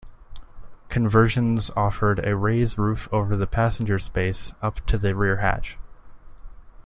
Conversions offered a raised roof over the passenger space up to the rear hatch.